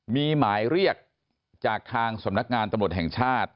มีหมายเรียกจากทางสำนักงานตำรวจแห่งชาติ